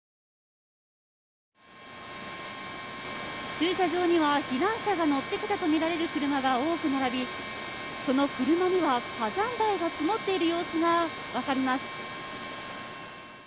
駐車場には、避難者が乗ってきたとみられる車が多く並び、その車には火山灰が積もっている様子が分かります。